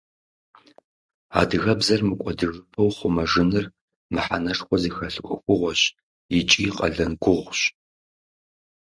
Адыгэбзэр мыкӀуэдыжыпэу хъумэжыныр мыхьэнэшхуэ зыхэлъ Ӏуэхугъуэщ икӀи къалэн гугъущ.